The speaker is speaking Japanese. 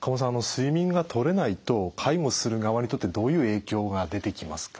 睡眠がとれないと介護する側にとってどういう影響が出てきますか？